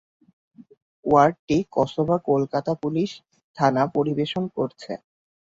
ওয়ার্ডটি Kasba Kolkata police থানা পরিবেশন করছে।